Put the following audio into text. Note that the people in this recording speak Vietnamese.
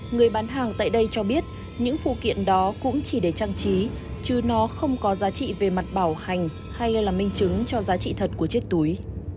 người bán hàng tại đây cho biết những phụ kiện đó cũng chỉ để trang trí chứ nó không có giá trị về mặt bảo hành hay là minh chứng cho giá trị thật của chiếc túi